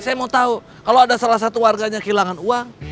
saya mau tahu kalau ada salah satu warganya kehilangan uang